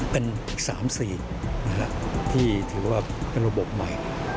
เป็น๓๔ที่ถือว่าเป็นระบบใหม่